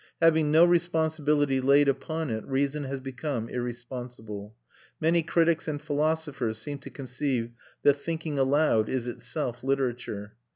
Having no responsibility laid upon it, reason has become irresponsible. Many critics and philosophers seem to conceive that thinking aloud is itself literature.